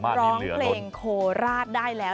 ร้องเพลงโคราชได้แล้ว